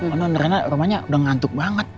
karena rumahnya udah ngantuk banget